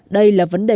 đây là vấn đề